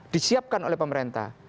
disiapkan oleh pemerintah